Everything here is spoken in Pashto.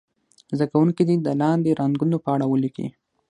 زده کوونکي دې د لاندې رنګونو په اړه ولیکي.